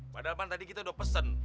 padahal kan tadi kita udah pesen